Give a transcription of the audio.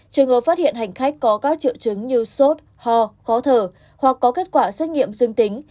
trường hợp phát hiện hành khách có các triệu chứng như sốt ho khó thở hoặc có kết quả xét nghiệm dương tính